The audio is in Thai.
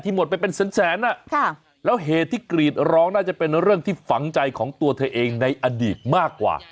หมดไปเป็นแสนแสนแล้วเหตุที่กรีดร้องน่าจะเป็นเรื่องที่ฝังใจของตัวเธอเองในอดีตมากกว่า